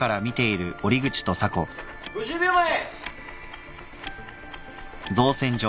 ５０秒前。